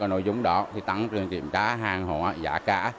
và nội dung đó tăng cường kiểm tra hàng hóa giá cá